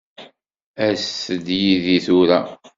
Aset-d yid-i tura.